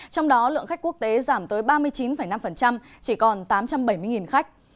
trong đó lượng khách quốc tế giảm tới ba mươi chín năm chỉ còn tám trăm bảy mươi khách